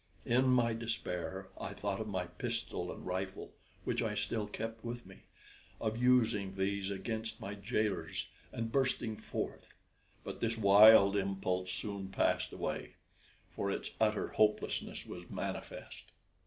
In my despair I thought of my pistol and rifle, which I still kept with me of using these against my jailors, and bursting forth; but this wild impulse soon passed away, for its utter hopelessness was manifest.